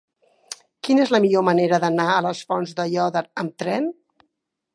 Quina és la millor manera d'anar a les Fonts d'Aiòder amb tren?